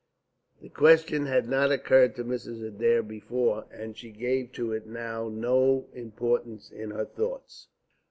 The question had not occurred to Mrs. Adair before, and she gave to it now no importance in her thoughts.